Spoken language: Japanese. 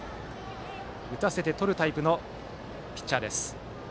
打たせてとるタイプのピッチャー。